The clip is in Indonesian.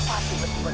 tidak ada kesalahan